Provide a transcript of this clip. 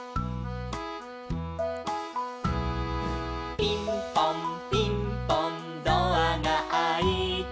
「ピンポンピンポンドアがあいて」